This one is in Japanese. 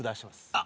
あっ